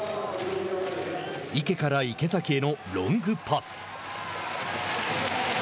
池から池崎へのロングパス。